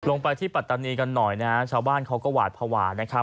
ลงไปที่ปัตตานีกันหน่อยนะฮะชาวบ้านเขาก็หวาดภาวะนะครับ